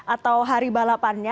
atau hari balapannya